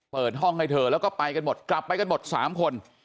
เปิดห้องให้เธอแล้วก็ไปกันหมดกลับไปกันหมด๓คน